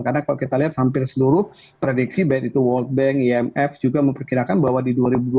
karena kalau kita lihat hampir seluruh prediksi baik itu world bank imf juga memperkirakan bahwa di dua ribu dua puluh empat